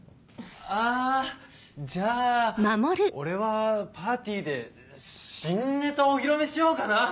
あじゃあ俺はパーティーで新ネタお披露目しようかな。